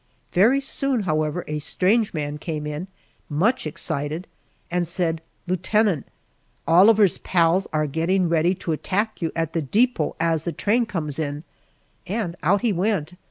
Very soon, however, a strange man came in, much excited, and said, "Lieutenant! Oliver's pals are getting ready to attack you at the depot as the train comes in," and out he went.